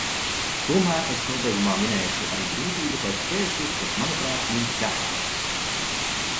Tomēr es nobeigumā minēšu arī grūtības vai šķēršļus, kas, manuprāt, mums jāpārvar.